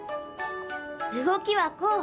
動きはこう。